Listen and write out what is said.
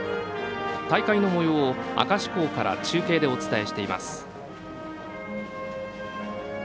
大会のもようを明石港から中継でお伝えしています。